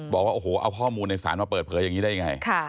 บอกว่าโอ้โหเอาข้อมูลในศาลมาเปิดเผยอย่างนี้ได้ยังไง